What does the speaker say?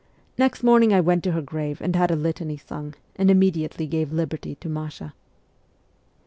Next morning I went to her grave and had a litany sung, and immediately gave liberty to Masha.'